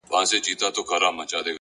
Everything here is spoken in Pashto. هر منزل د نوې موخې پیل ګرځي,